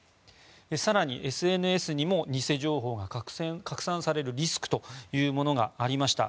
更にＳＮＳにも偽情報が拡散されるリスクがありました。